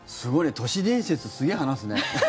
都市伝説すごい話すね。